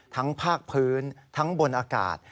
ภาคพื้นทั้งบนอากาศ